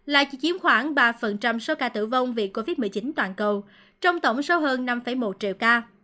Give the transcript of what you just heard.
là chỉ chiếm khoảng ba số ca tử vong vì covid một mươi chín toàn cầu trong tổng số hơn năm một triệu ca